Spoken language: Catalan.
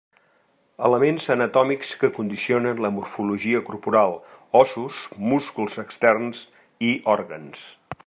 Elements anatòmics que condicionen la morfologia corporal: ossos, músculs externs i òrgans.